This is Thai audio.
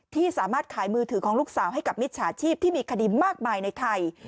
ที่สามารถขายมือถือของลูกสาวให้กับมิจฉาชีพที่มีคดีมากมายในไทย